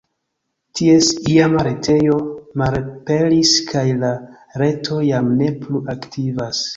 Ties iama retejo malaperis kaj la reto jam ne plu aktivas.